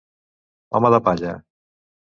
Home de palla.